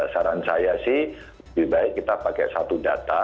saran saya sih lebih baik kita pakai satu data